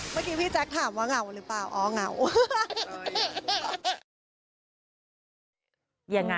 เมื่อกี้พี่แจ๊คถามว่าเหงาหรือเปล่าอ๋อเหงา